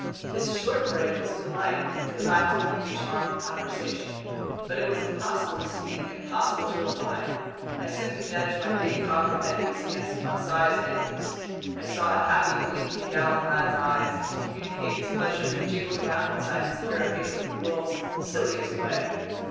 This short break was a delight. It lacked only the charm of conversation. But it was impossible to speak, impossible to reply. I simply nudged my big copper headpiece against Conseil's headpiece. I saw a happy gleam in the gallant lad's eyes, and to communicate his pleasure, he jiggled around inside his carapace in the world's silliest way.